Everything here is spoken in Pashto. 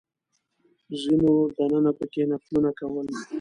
ځینو دننه په کې نفلونه کول.